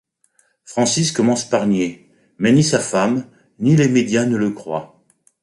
Francis commence par nier, mais ni sa femme ni les médias ne le croient.